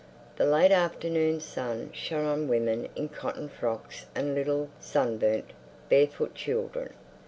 The late afternoon sun shone on women in cotton frocks and little sunburnt, barefoot children.